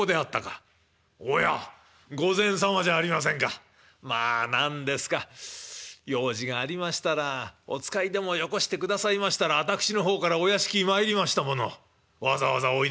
「おや御前様じゃありませんか。まあ何ですか用事がありましたらお使いでもよこしてくださいましたら私の方からお屋敷に参りましたものをわざわざおいでで」。